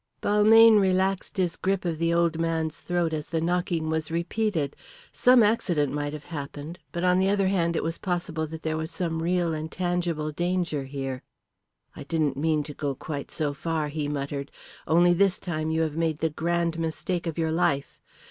Balmayne relaxed his grip of the old man's throat as the knocking was repeated. Some accident might have happened, but on the other hand it was possible that there was some real and tangible danger here. "I didn't mean to go quite so far," he muttered. "Only this time you have made the grand mistake of your life.